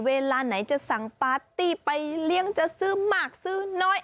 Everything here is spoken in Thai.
เวลาไหนจะสั่งปาร์ตี้ไปเลี้ยงจะซื้อมากซื้อน้อย